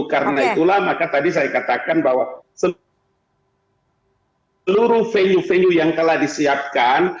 karena itulah maka tadi saya katakan bahwa seluruh venue venue yang telah disiapkan